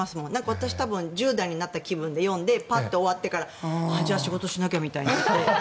私、１０代になった気分で読んでパッと終わってからじゃあ仕事しなきゃみたいな。